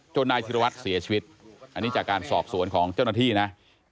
นายธิรวัตรเสียชีวิตอันนี้จากการสอบสวนของเจ้าหน้าที่นะ